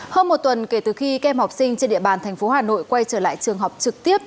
hôm một tuần kể từ khi kem học sinh trên địa bàn thành phố hà nội quay trở lại trường học trực tiếp